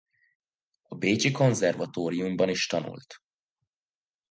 A bécsi konzervatóriumban is tanult.